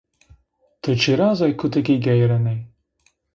Tı çıra zey kutıki geyrenê.